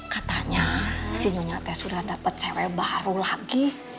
katanya si nyonya ate sudah dapet cewe baru lagi